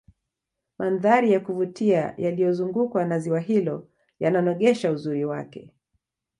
mandhari ya kuvutia yaliozungukwa na ziwa hilo yananogesha uzuri wake